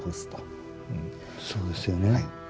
そうですよね。